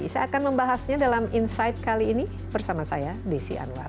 saya akan membahasnya dalam insight kali ini bersama saya desi anwar